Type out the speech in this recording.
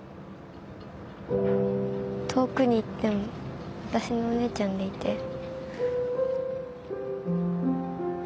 遠くに行っても私のお姉ちゃんでいて。